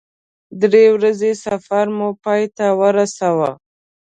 درې ورځنی سفر مو پای ته ورساوه.